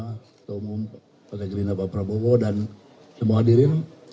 ketua umum partai gelina bapak prabowo dan semua hadirin